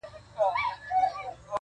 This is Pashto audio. را حاضر یې کړل سویان وه که پسونه.!